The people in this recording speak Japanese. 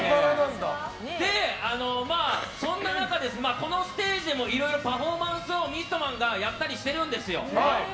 そんな中、このステージでもいろいろパフォーマンスをミストマンがやったりしてるんですよ。